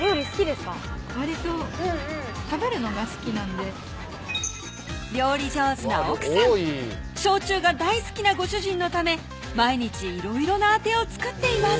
わりと料理上手な奥さん焼酎が大好きなご主人のため毎日いろいろなアテを作っています